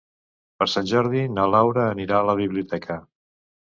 Per Sant Jordi na Laura anirà a la biblioteca.